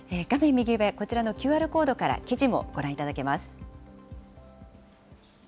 右上、こちらのＱＲコードから記事もご覧いただけます。